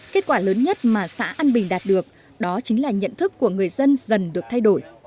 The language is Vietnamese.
kết quả lớn nhất mà xã an bình đạt được đó chính là nhận thức của người dân dần được thay đổi